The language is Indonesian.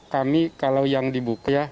kami kalau yang dibuka